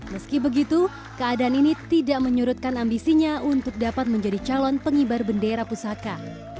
meski begitu keadaan ini tidak menyurutkan ambisinya untuk dapat menjadi calon pengibar bendera pusaka